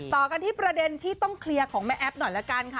ต่อกันที่ประเด็นที่ต้องเคลียร์ของแม่แอ๊บหน่อยละกันค่ะ